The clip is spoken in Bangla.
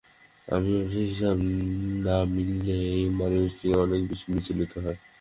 অফিসের হিসাব না-মিললে এই মানুষটি অনেক বেশি বিচলিত হয়।